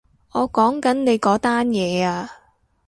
我講緊你嗰單嘢啊